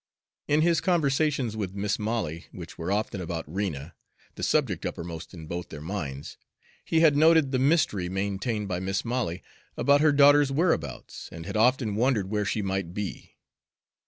In his conversations with Mis' Molly, which were often about Rena, the subject uppermost in both their minds, he had noted the mystery maintained by Mis' Molly about her daughter's whereabouts, and had often wondered where she might be.